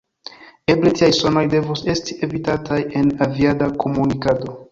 Eble tiaj sonoj devus esti evitataj en aviada komunikado.